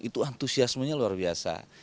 itu antusiasmenya luar biasa